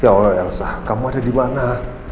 ya allah elsa kamu ada dimana